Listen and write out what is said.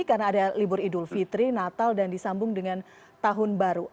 karena ada libur idul fitri natal dan disambung dengan tahun baru